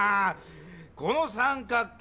この三角形